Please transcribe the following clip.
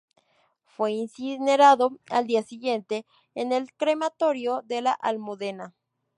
Fue incinerado al día siguiente en el Crematorio de la Almudena.